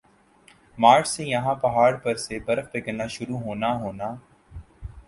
مارچ سے یَہاں پہاڑ پر سے برف پگھلنا شروع ہونا ہونا